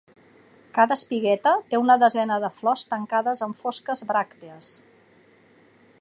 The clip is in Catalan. Cada espigueta té una desena de flors tancades en fosques bràctees.